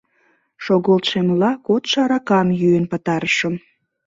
Шогылтшемла, кодшо аракам йӱын пытарышым.